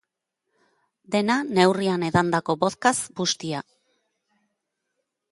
Dena, neurrian edandako vodkaz bustia.